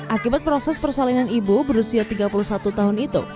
akibat proses persalinan ibu berusia tiga puluh satu tahun itu